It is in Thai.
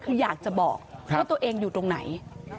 คืออยากจะบอกว่าตัวเองอยู่ตรงไหน